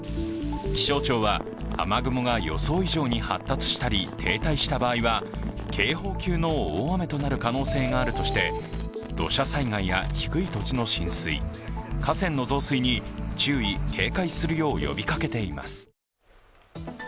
気象庁は、雨雲が予想以上に発達したり停滞した場合は、警報級の大雨となる可能性があるとして、土砂災害や低い土地の浸水河川の増水に注意・警戒するよう呼びかけています。